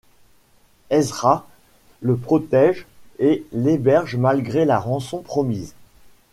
Ezra le protège et l'héberge malgré la rançon promise.